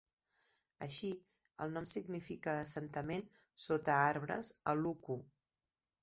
Així, el nom significa assentament sota arbres "aluku".